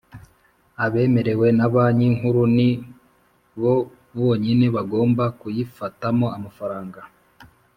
abemerewe na Banki Nkuru ni bo bonyine bangomba kuyifatamo amafaranga